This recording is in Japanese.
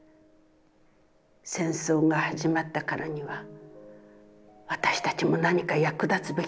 戦争が始まったからには、私たちも何か役立つべきだった。